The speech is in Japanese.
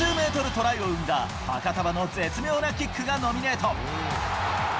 トライを生んだ、ファカタヴァの絶妙なキックがノミネート。